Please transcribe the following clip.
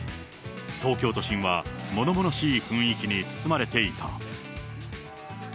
東京都心はものものしい雰囲気に包まれていた。